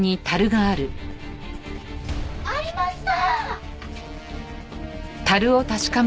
ありました！